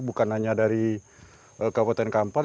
bukan hanya dari kabupaten kampar